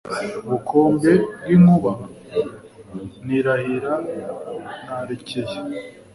Ubukombe bw'inkuba nirahira narekeye!